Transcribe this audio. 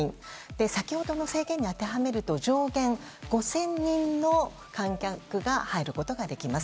先ほどの制限に当てはめると上限５０００人の観客が入ることができます。